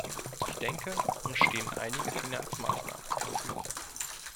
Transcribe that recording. Ich denke, uns stehen einige Finanzmaßnahmen zur Verfügung.